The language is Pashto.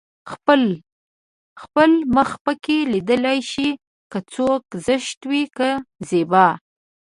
خپل خپل مخ پکې ليده شي که څوک زشت وي که زيبا